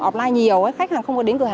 thế nhưng nhờ sự kiên trì